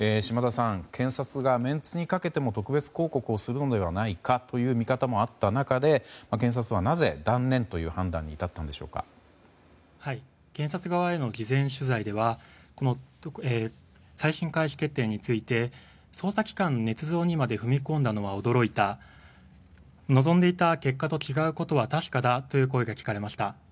検察がメンツにかけても特別抗告をするのではないかという見方もあった中で検察はなぜ断念という判断に検察側への事前取材では再審開始決定について捜査機関ねつ造にまで踏み込んだのは驚いた望んでいた結果と違うことは確かだという声が聞かれました。